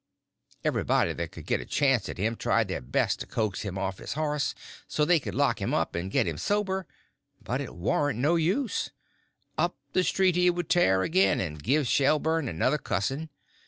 Everybody that could get a chance at him tried their best to coax him off of his horse so they could lock him up and get him sober; but it warn't no use—up the street he would tear again, and give Sherburn another cussing.